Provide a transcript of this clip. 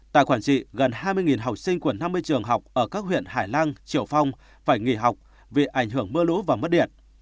tại quảng trị gần hai mươi học sinh của năm mươi trường học ở các huyện hải lăng triệu phong phải nghỉ học vì ảnh hưởng mưa lũ và mất điện